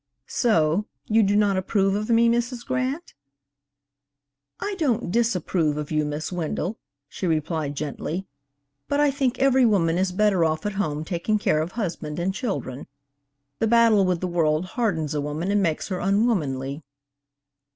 'So you do not approve of me, Mrs. Grant?' ' I don't disapprove of you, Miss Wendell,' she replied gently, 'but I think every woman is better off at home taking care of husband and children. The battle with the world hardens a woman and makes her unwomanly.'